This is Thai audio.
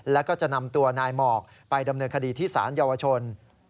แล้วก็จะนำตัวนายหมอกไปดำเนินคดีที่สารเยาวชน